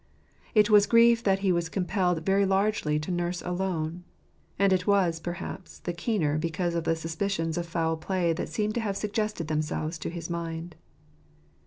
It was grief that he was compelled very largely to nurse alone ; and it was, perhaps, the keener because of the suspicions of foul play that seem to have suggested themselves to his mind.